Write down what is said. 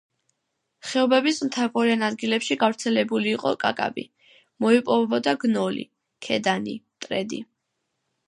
ხეობების მთაგორიან ადგილებში გავრცელებული იყო კაკაბი; მოიპოვებოდა გნოლი, ქედანი, მტრედი.